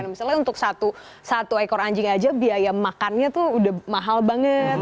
misalnya untuk satu ekor anjing aja biaya makannya tuh udah mahal banget